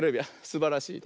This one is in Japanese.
すばらしい。